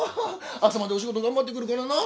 朝までお仕事頑張ってくるからな。